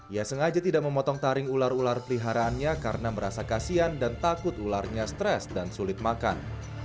ia sengaja tidak memotong taring ular ular peliharaannya karena merasa kasian dan takut ularnya stres dan sulit makan